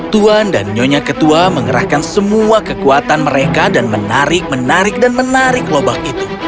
tuan dan nyonya ketua mengerahkan semua kekuatan mereka dan menarik menarik dan menarik lobak itu